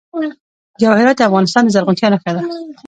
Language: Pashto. جواهرات د افغانستان د زرغونتیا نښه ده.